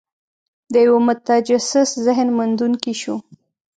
د یوه متجسس ذهن موندونکي شو.